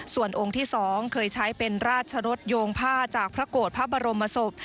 ส่วนองค์ที่๒เคยใช้เป็นราชรสโยงผ้าจากพระโกรธพระบรมศพ